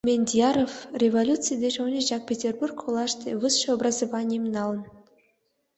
Мендияров революций деч ончычак Петербург олаште высший образованийым налын.